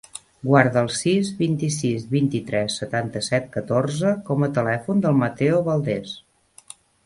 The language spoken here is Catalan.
Guarda el sis, vint-i-sis, vint-i-tres, setanta-set, catorze com a telèfon del Mateo Valdes.